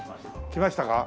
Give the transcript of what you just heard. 来ましたか？